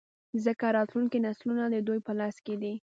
ځـکـه راتـلونکي نـسلونه د دوي پـه لاس کـې دي.